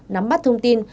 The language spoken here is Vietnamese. nắm bắt thông tin